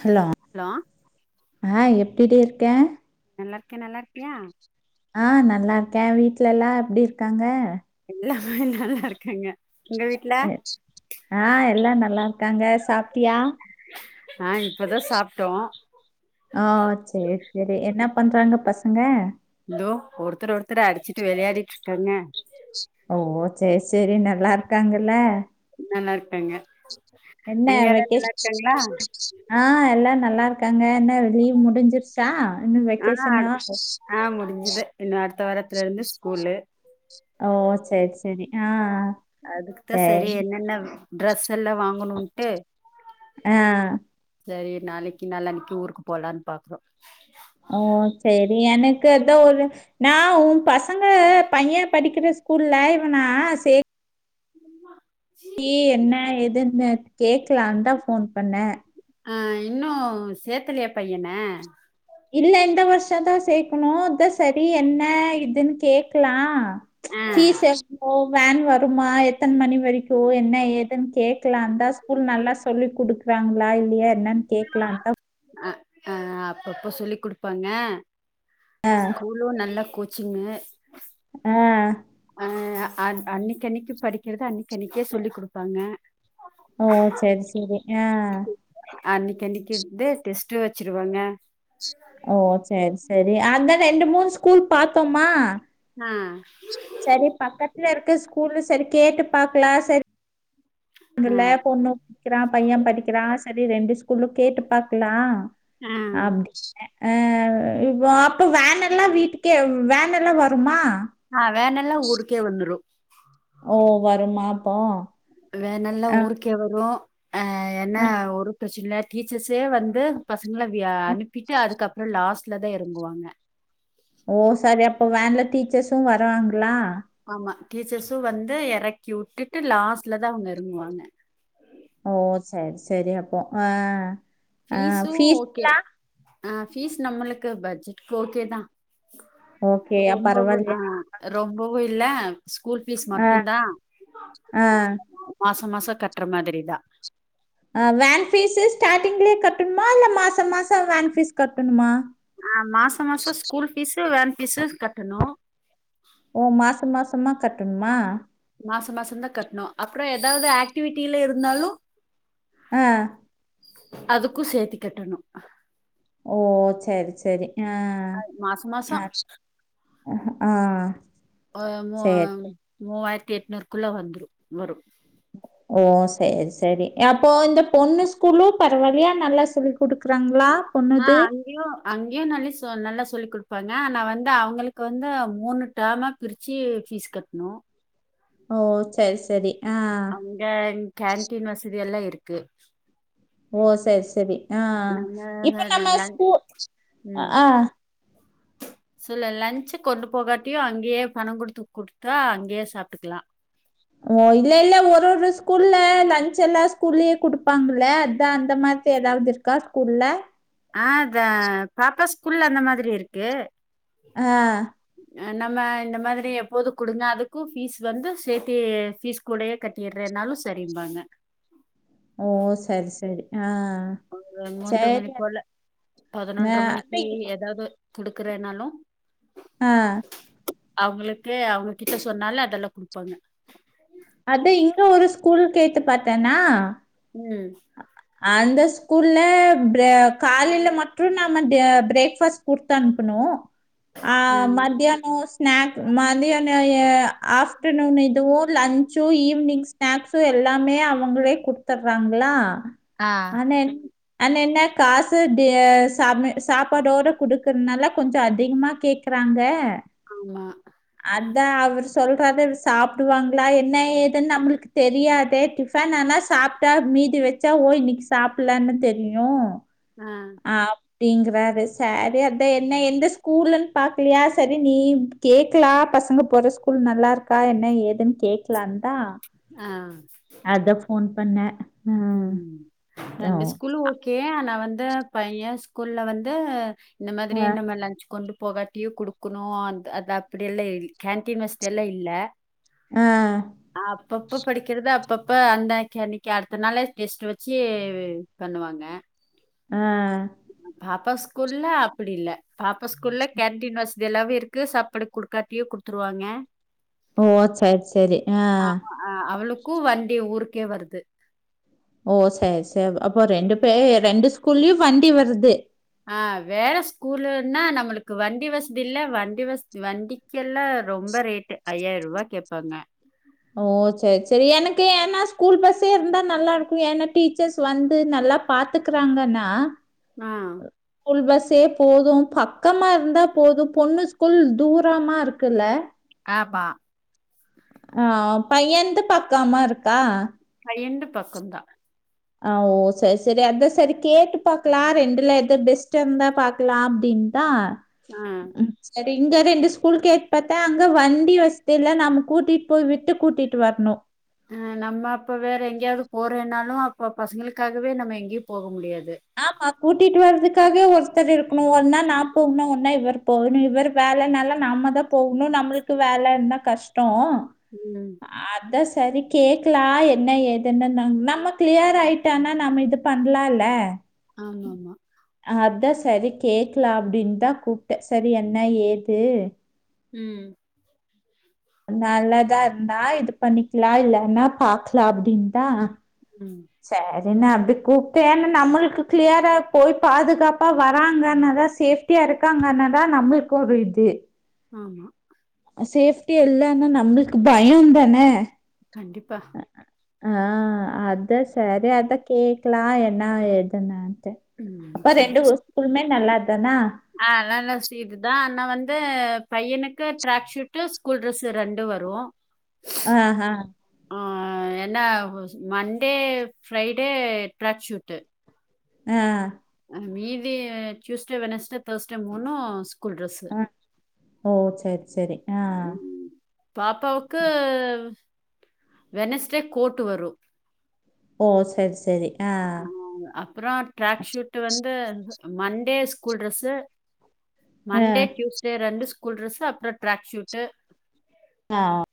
Hello ஆஹ் எப் எப்டிடி இருக்கே நல்லா இருக்கே நல்லா இருக்கியா? ஆ நல்லா இருக்கே வீட்ல எல்லா எப்டி இருக்காங்க? எல்லாமே நல்லா இருக்காங்க உங்க வீட்ல எ ஆஹ் எல்லா நல்லா இருக் க்காங்க சாப்டியா ஆஹ் இப்பதா சாப்டோ ஓ சேர் சேரி என்ன பண்றாங்க பசங்க இதோ ஒருத்தர் ஒருத்தர் அடிச்சிட்டு வெளையாடிட்டு இருக்காங்க ஓ சேர் சேரி நல்லா இருக்காங்கல்ல நல்லார்க்காங்க என்ன வெக்கேஷ் ஆஹ் எல்லாம் நல்ல நல்லாருக்காங்க என்ன லீவ் முடிஞ்சிருச்சா? இன்னு ஆஹ் வெக்கேஷனா அடு ஆஹ் முடிஞ்சுது இன்னு அடுத்த வாரத்துல இருந்து ஸ்கூல்லு ஓ ச செரி செரி ஆஹ் அதுக்குதா சரி சேரி என்னென்ன ட்ரெஸ் ஸெல்லா வாங்கனுண்ட்டு ஆ சரி நாளைக்கி நாளான்னைக்கி ஊருக்கு போலான் பாக்றோ ஓ செரி எனக்கு த ஒரு நா உம்பசங்க பையே படிக்கிற ஸ்கூல்ல இவனா சே உம்மா கீ என்ன எதுன்னு கேக்கலான்தா ஃபோன் பண்ண ஆஹ் இன்னு சேத்தலையா பையன இல்ல இந்த வருஷ தா சேக்குணு அதிஸ் செரி என்ன இத் துன்னு கேக்கலாம் ஆ ஃபீஸ் எஸ் [unintelligible] வேன் வருமா எத்தன மணி வரைக்கு என்ன ஏதுன்னு கேக்கலான்தா ஸ்கூல் நல்லா சொல்லி குடுக் குரங்களா இல்லையா என்னன்னு கேக்கலான்தா ஆஹ் அப்பப்ப சொல்லி குடுப்பாங்க ஆ ஸ்கூலும் நல்ல கோச் ங்க ஆஹ் ஆஹ் அஹ் அன் அன்னிக்கி அன்னிக்கி படிக்கிறத அன்னிக்கி அன்னிக்கே சொல்லி குடுப்பாங்க ஓ செரி செரி ஆஹ் அன்னிக்கி அன்னிக்கிருந்தே டெஸ்ட்டு வெச்சிருவாங்க ஓ செரி செரி அதா ரெண்டு மூணு ஸ்கூல் பாத்தோமா ஆ செரி பக்கத்துல இருக்கு ஸ்கூல்லு செரி கேட்டு பாக்கலா செரி ஆ ல்ல பொண்ணு படிகிறா பைய்ய படிக்கிறா ச செரி ரெண்டு ஸ்கூலு கேட்டு பாக்கலா ஆ அப்டின்னு ஆஹ் அஹ் இப்போ அப்போ வேன் எல்லா வீட்டுக்கே வ வேன் எல்லா வருமா ஆஹ் வேன் எல்லா ஊருக்கே வந்துரு ஓ வருமா அப்போ வேன் எல்லா ஆ, ஊருக்கே வரோ ஆஹ் என்ன ஆ, ஒரு [unintelligible] டீச்சர்ஸ்ஏ வந்து பச இவங்களா வியா ஆ. அனுப்பிட்டு அதுக்கப்புறோ லாஸ்ட் லதா எறங்குவாங்க ஓ சரி அப்போ வேன்ல டீச்சர்சும் வருவாங்களா ஆமா டீச்சர்ஸு வந்து எறக்கி உட்டுட்டு லாஸ்ட்லதா அவுங்க எறங்குவாங்க ஓ செர் செரி அப்போ ஆஹ் அ ஃபீஸு ஓகே பீஸ்லா ஆ ஃபீஸ் நம்மளுக்கு பட்ஜெட்கு ஓகேதா ஓகே ரொம்பவு ஆ பரவாயில்லையா ரொம்பவு இல்ல ஸ்கூல் பீஸ் ஆ மட்டுந்தா மாஸ் மாசொ கட்டுற மாதிரிதா அ ஃவேன் பீஸு ஸ்டார்டிங்லயே கட்டணுமா இல்ல மாசோ மாசோ ஃவேன் பீஸ் கட்டணுமா ஆ மாசோ மாசோ ஸ்கூல் ஃபீஸு ஃவேன் ஃபீஸு கட்டணு ஓ மாசம் மாசமா கட்டணுமா மாசம் மாசந்தா கட்டணு அப்றோ எதாவது ஆக்டிவிட்டில இருந்தாலு அ அதுக்கு சேத்தி கட்டணு ஓ செரி செரி ஆ மாச மாசோ அ ஆ அ அ மூ மூவாயிரத் எட்நூருக்குள்ள வந்துரு வரும் ஓ செரி செரி அப்போ இந்த பொண்ணு ஸ்கூலு பரவாயில்லையா நல்லா சொல்லிக் ஆ ஆ அங்கயோ அங்கயு நல்ல சொ சோ நல்லா சொல்லி குடுப்பாங்க ஆனா வந்து அவுங்களுக்கு வந்து மூணு ஃடேமா பிரிச்சு ஃபீஸ் கட்டணு ஓ செரி சரி ஆ அங்க கேன்ட்டீன் வசதி எல்லா இருக் ருக்கு ஓ செரி செரி ஆ இப்ப நம்ம ஸ்கூ அ சொல்லு லஞ்ச் கொண்டு போகாட்டியு அங்கயே பணோ குடுத்து குடுத்தா அங்கேயே சாப்புட்டுக்கலா ஓ இல்ல இல்ல ஒரு ஒரு ஸ்கூல்ல லஞ்ச் எல்லா ஸ்கூல்லயே குடுப்பாங்கள அதா அந்த மாதிரி எதாவது இருக்கா ஸ்கூல்ல ஆ அத பாப்பா ஸ்கூல்ல அந்த மாதிரி இருக்கு ஆ நம்ம இந்த மாதிரி எப்போதும் குடுங்க அதுக்கும் ஃபீஸ் வந்து சேர்த்தே ஃபீஸ் கூடயே கட்டிறேனாலு செரிபாங்க ஓ செரி செரி ஆ ஒரு மூன்ற மணி சரி போல பதினொன்ற ஆ மணிக்கி எதாவது குடுக்குறேனாலு அ அவுங்களுக்கு அவுங்க கிட்ட சொன்னாலு அதெல்லா குடுப்பாங்க அதா இங்க ஒரு ஸ்கூல் கேட்டு பாத்தேனா ம் அந்த ஸ்கூல்ல ப்ர காலையில மட்டு நாம டெ ஃப்ரேக் பாஸ்ட் குடுத்தனுப்பனு ஆ மதியானோ ஸ்னாக் மதியானோ நே எ ஆப்டர் நுன் இதுவு லஞ்ன்சு ஈவினிங் ஸ் ஸ்நாக்ஸ்ஸு எல்லாமே அவங்களே குடுத்துட்றாங்க. ல்லா ஆ ஆன என் ஆன என்ன காசு டேஸ் சா [unintelligible] சாப்பாட்டோட குடுக்கிறனால கொஞ்சோ அதிகமா கேக்கிறாங்க ஆமா அதா அவர் சொல்றாரு அது சாப்பிடுவாங்களா என்ன ஏதுன்னு நம்மளுக்கு தெரியாதே டிஃபன் ஆனா சாப்ட்டா மீதி வெச்சா ஒ இன்னைக்கு சாப்பிலான்னு தெரியு ஆ [unintelligible] ங்க வேற சாரி அதா என்ன எந்த ஸ்கூல்லுன் பாக்கலையா சரி நீந் கேக்கல பசங்க போற ஸ்கூல் நல்லா இருக்கா என்ன ஏதுன் கேக்லாந்தா ஆ அதா ஃபோன் பண்ணே ம் ஓ ரெண்டு ஸ்கூல்லு ஓகே ஆனா வந்து ந்த பைய ஸ்கூல்ல வந்து இந்த மாதிரி ஆ நம்ம லஞ்ச் கொண்டுப் போகடியு குடுக்கணு அந் அத் அப்படியெல் [unintelligible] கேண்டின் வசதி எல்லா இல்ல ஆ ஆ அப்பப்போ படிக்கிறதாப் பப்பா அந்த கேனிப் க்கிய அடுத்த நாளே டெஸ்ட்டு வச்சு பண்ணுவாங்க ஆ. பப்பா ஸ்கூல்ல அப்படி இல்ல பாப்பா ஸ்கூல்ல கேண்டின் வசதி எல்லாவே இருக்கு சாப்பிடு குடுக்காட்டியு குடுத்துருவாங்க ஓ சரி சரி ஆ கூ வண்டி ஊருக்கே வருது ஓ சரி சரி அப்போ ரெண்டு பே ரெண்டு ஸ் க்குள்யு வண்டி வருது ஆ வேற ஸ்கூலுன்னா நம்மளுக்கு வண்டி வசதி இல்ல வண்டி வசதி வண்டிக்கு எல்லா ரொம்ப ரேட்டு ஐயாயிரரூவா கேப்பாங்க ஓ சரி சரி எனக்கு என்னா ஸ்கூல் பஸ்ஸே இருந்தா நல்லாருக்கு ஏன்னா டீச்சர்ஸ் வந்து நல்லா பாத்துக்கறாங்கன்னா ஆ தே போது பக்கமா இருந்தா போது பொண்ணு ஸ்கூல் தூரமா இருக்குல்ல ஆமா ஆ பையன்து பக்கமா இருக்கா ரெண்டு பக்கோந்தா ஆ, ஓ சரி சரி அத சரி கேட்டு பாக்கலா ரெண்டுல எது பெஸ்ட்டு இருந்தா பாக்கலா அப்டின் தா ஆ ட்டிங்க ரெண்டு ஸ்கூல்க்கேட் பாத்தா அங்க வண்டி வசதி இல்ல நாம கூட்டிட் போய் விட் ஆ, நம்ம அப்ப வேற எங்கேயாவது போறேன்னாலு அப் ப்ப பசங்களுக்காகவே நம்ம எங்கேயும் போக முடியாது ஆமா கூட்டிட்டு வரதுக்காகே ஒருத்தர் இருக்கணும் ஒரு நாள் நான் போனும் ஒர்னா இவர் போகணு இவரு வேலனால நம்ம தான் போகணு நம்மளுக்கு வேல இருந்தா கஷ்டம் உம் சரி கேக்கலாம் என்ன ஏதுன்னு நம்ம கிளியர் ஆயிட்டானா நம்ம இது பண்ணலாம்ல ஆமா ஆமா அதான் சரி கேட்க்லாம் அப்டின்தான் கூப்ட்டேன் சரி என்ன ஏது உம் நல்லாதான் இருந்தா இது பண்ணிக்லாம் இல்லன்னா பாக்கலாம் அப்டின் தா ம் சரி அன அப்படி கூப்பேன்ன நம்மளுக்கு கிளியரா போய் பாதுகாப்பா வராங்கன்னதான் சேஃப்ட்டியா இருக்காங்கன்னதான் நம்மளுக்கு ஒரு இது ஆமா சேஃப்டி இல்லன்னா நம்மளுக்கு பயம் தான கண்டிப்பா ஆஹ் அத சரி அத கேட்க்லாம் என்ன ஏதுன்னு ம் அப்ப ரெண்டு ஸ்குலுமே நல்லா சர்தா ஆஹ் நல்ல சீட்டு தான் ஆனா வந்து பையனுக்கு ட்ராக் ஷூட்டு் ஸ்கூல் டிரஸ்ஸு ரெண்டும் வரும் ஆஹ் ஆஹ் என்ன மண்டே ஃப்ரைடே டராக் ஷூட்டு ஆஹ் மீதி டியூஸ்டே வெனஸ்டே தர்ஸ்டே மூணும் ஸ்கூல் ட்ரெஸ் ஆஹ் ஓ சரி சரி ஆஹ் பாப்பாவுக்கு வெனஸ்டே கோட்டு வரும் ஓ சரி சரி ஆ ஹ அப்புறம் ட்ராக் ஷூட் வந்து மண்டே ஸ்கூல் டிரெஸ்ஸு ஆ மண்டே டயூஸ்டே ரெண்டு ஸ்கூல் டிரெஸ்ஸு அப்புறம் ட்ராக் ஷூட்டு ஆஹ்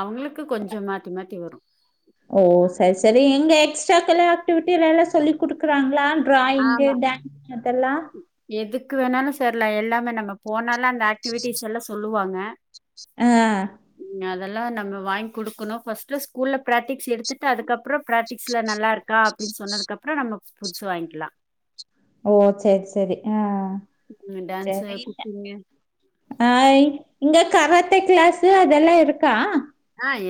அவங்களுக்கு கொஞ்சம் மாத்தி மாத்தி வரும் ஓ சரி சரி எங்க எக்ஸ்ட்டா எல்லா ஆக்டிவிட்டி நல்லா சொல்லிடுக்குறாங்களா டிராயிங்கு ஆமாம் டான்ஸு அதெல்லாம் தெர்ல எல்லாமே நம்ம போனாத் அந்த ஆக்டிவிட்டிஸ் எல்லாம் சொல் சொல்லுவாங்க ஆஹ் உம் அதெல்லாம் நம்ம வாங்கி குடுக்கணும் பர்ஸ்ட் ஸ்கூல்ல பிராக்டிக்ஸ் எடுத்துட்டு அதுக்கப் அப்புறோ பிரராக்டிகஸில நல்லா [unintelligible] அப்டினு சொன்னதுகப்பறம் நாம உனக்கு புதுசு வாங்கிக்கலா ஓ சேரி சேரி ஆஹ் டான்ஸு, செரியில்ல குக்கிங்கு. ஹாய் இங்க கராத்தே கிளாஸ்சு அதெல்லா இருக்கா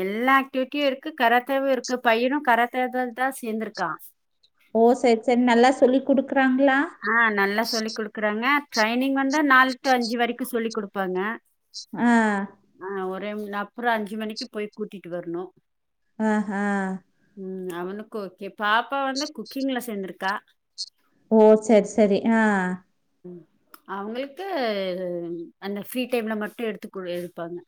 எல்லா ஆக்டிவிட்டியு இருக்கு கராத்தேவு இருக்கு பையனும் கராத்தே தே தா சேர்ந்திருக்கா ஓ சேரி சேரி நல்லா சொல்லிக் குடுக் ஆஹ் நல்லா சொல்லி் குடுக்குறாங்க ட்ரைனிங் வந்து நாலு டூ அஞ்சு வரைக்கு சொல்லி் குடுப்பாங்க ஆஹ் நா அப்புறோ அஞ்சு மணிக்கு போய் கூட்டிட்டு வரணு ஆஹ் ஹ் ம் அவனுக்கு ஓகே பாப்பா வந்து குக்கிங்ல சேர்ந்திருக்கா ஓ சேரி சேரி ஆஹ் ம் அவங்களுக்கு அந்த ஃப்ரீ டைம்ல மட்டு எடுத்துக்குடு எடுப்பாங்க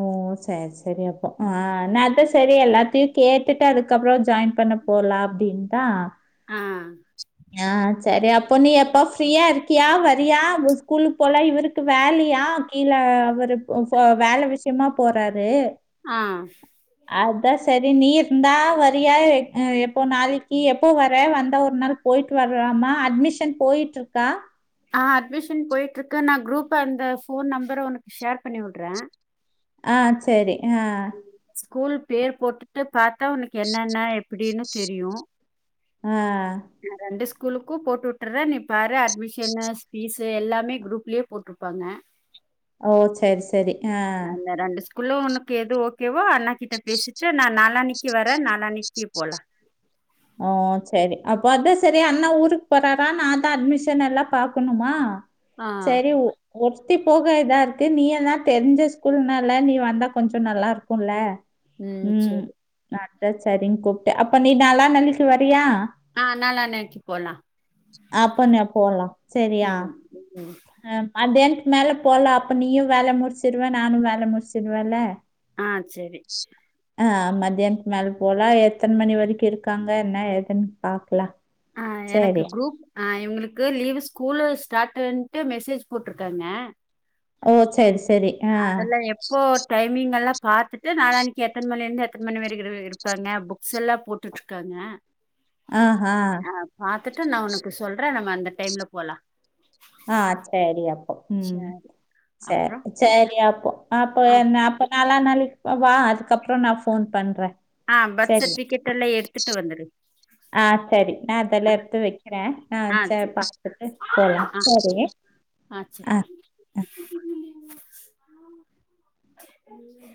ஓ சேரி சேரி அப் ஆஹ் நா [unintelligible] சேரி எல்லாத்தையு கேட்டுட்டு அதுக்கப்புறோ ஜாயின் பண்ண போலா அப்படின் தா ஆ. ஆஹ் சேரி அப்போ நீ எப்ப ஃப்ரீயா இருக்கியா வரியா ஸ்கூலுக்கு போல இவருக்கு வேலையா கீழே அவரு [unintelligible] வேல விஷ் க்கியமா போறாரு ஆஹ் அதா சேரி நீ இருந்தா வரியா அ எப்போ நாளைக்கி எப்போ வர வந்த ஒரு நாள் போயிட்டு வறலாமா அட்மிஷன் போயிட்டு இருக்கா ஆஹ அட்மிஷன் போயிட்டு இருக்கு நா குரூப்ப அந்த ஃபோன் நம்பர உனக்கு ஷேர் பண்ணி விடுறேன் ஆஹ் சேரி ஆஹ் ஸ்கூல் பேர் போட்டுட்டு பாத்தா உனக்கு என்னன்ன எப்டின்னு தெரியு ஆஹ் நான் ரெண்டு ஸ் உங்களுக்கு போட்டு வுட்றேன் நி வர அட்மிஷன்ன ஸ் பீஸ் எல்லாமே குரூப்லயே போட்ருப்பாங்க ஓ செரி செரி ஆஹ் அதுள்ள ஏது ஓ ஏவ்ஓ அண்ணா கிட்ட பேசிட்டு நா நாளானைக்கி கி வர நாளானைக்கி போலா ஆ சேரி அப்போ அது செரி அண்ண ஊருக்கு போறாரா நா தா அட்மிஷன் எல்லா பாக்கணுமா ஆ சரி உ ஒத்தி போக இதா இருக்கு நீ எல்லா தெரிஞ்ச ஸ்கூல்னால நீ வந்தா கொஞ்சோ நல்லா இருக்கும்ல ம் சேரி அதா சரின் கூப்ட்டே அப்ப நீனால நாளிக்கி வரியா ஆ நாளானைக்கி போலா அப்பனா போலா செரியா ம் ம் ஆ மதியானத்துக்கு மேல போலா அப்ப நீயும் வேல முடிச்சிடுவ நானும் வேல முடிச்சிடுவேல ஆ செரி ஆ மதியானத்க்கு மேல போலா எத்தன மணி வரைக்கும் இருக்காங்க என்ன ஏதுன்னு பாக்கலா ஆ எனக்கு குரூப் ஆ இவங்களுக்கு லீவு ஸ்கூலு ஸ்டாட் டுன்ட்டு மெசேஜ் போட்ருக்காங்க ஓ செஸ் அதெல்லா எப்போ டைமிங் எல்லா பாத்துட்டு நாளானிக்கி எத்தன மணிலேந்து எத்தன மணி வரைக்கு இரு இருப்பாங்க புக்ஸ் எல்லா போட்டுட்ருக்காங்க ஆஹ கத்துட்டு நா உனக்கு சொல்றே நம்ம அந்த டைம்ல போலா ஆ சேரி அப் ம் சரி சேரி அப்றோ சேரி அப்போ அப்ப ஆ என்ன அப்பறோ நாளாநாளைக்கி போவா அதுக்கப்றோ நா ஃபோன் பண்றேன் ஆ பர்த் சரி. சட்விகேட் எல்லா எடுத்துட் [inaudible] வந்துரு ஆ செரி நா செல்லு ஆ எடுத்து வைக்கிறேன் ஆ செரி பத்துட்டு போலா ஆ சரி ஆ ஆ [inaudible]